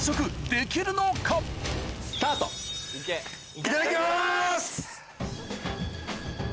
いただきます。